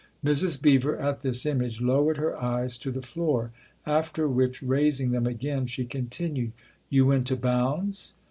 Mrs. Beever, at this image, lowered her eyes to the floor ; after which, raising them again, she continued :" You went to Bounds